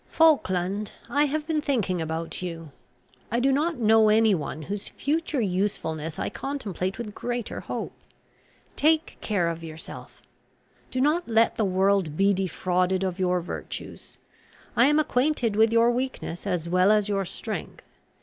"Falkland, I have been thinking about you. I do not know any one whose future usefulness I contemplate with greater hope. Take care of yourself. Do not let the world be defrauded of your virtues. I am acquainted with your weakness as well as your strength.